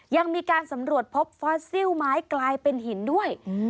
ยังมีการสำรวจพบฟอสซิลไม้กลายเป็นหินด้วย